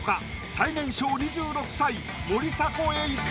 最年少２６才森迫永依か？